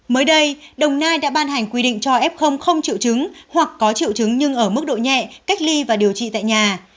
mới đây đồng nai đã ban hành quy định cho f không triệu chứng hoặc có triệu chứng nhưng ở mức độ nhẹ cách ly và điều trị tại nhà